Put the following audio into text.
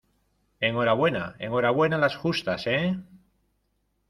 enhorabuena. enhorabuena las justas, ¿ eh?